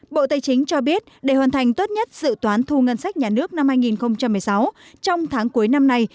bộ tây chính cho biết để hoàn thành tốt nhất dự toán thu ngân sách nhà nước năm hai nghìn một mươi sáu trong tháng cuối năm nay